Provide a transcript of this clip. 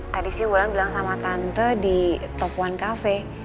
tadi sih bulan bilang sama tante di top one cafe